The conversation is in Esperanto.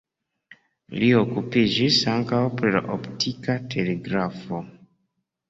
Li okupiĝis ankaŭ pri la optika telegrafo.